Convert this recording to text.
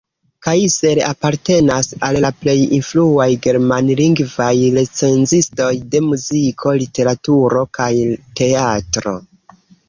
Kaiser apartenas al la plej influaj germanlingvaj recenzistoj de muziko, literaturo kaj teatro.